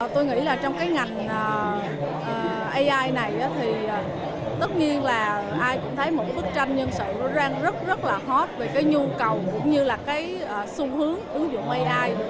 tôi nghĩ trong ngành ai này tất nhiên là ai cũng thấy một bức tranh nhân sự đang rất là hot về nhu cầu cũng như là xu hướng ứng dụng ai